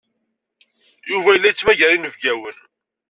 Yuba yella yettmagar inebgiwen.